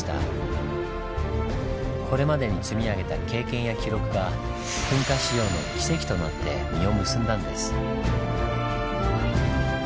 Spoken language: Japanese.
これまでに積み上げた経験や記録が噴火史上の奇跡となって実を結んだんです。